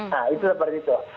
nah itu seperti itu